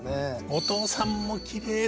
お父さんもきれいだね。